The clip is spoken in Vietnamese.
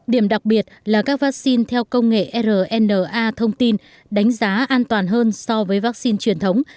điểm đặc biệt là các vaccine theo công nghệ rna thông tin đánh giá an toàn hơn so với vaccine truyền thống